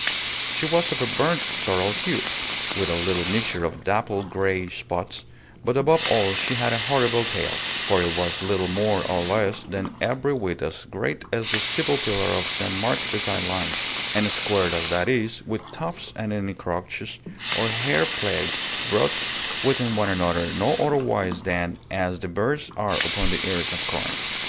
She was of a burnt sorrel hue, with a little mixture of dapple grey spots, but above all she had a horrible tail; for it was little more or less than every whit as great as the steeple pillar of St. Mark beside Langes: and squared as that is, with tuffs and ennicroches or hair plaits wrought within one another, no otherwise than as the beards are upon the ears of corn.